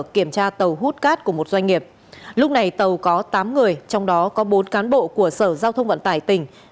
kiểm tra tàu hút cát của một doanh nghiệp lúc này tàu có tám người trong đó có bốn cán bộ của sở giao thông vận tải tỉnh